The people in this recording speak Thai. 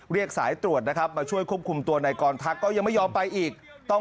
เรียกสายตรวจนะครับมาช่วยควบคุมตัวในกรทักก็ยังไม่ยอมไปอีกต้อง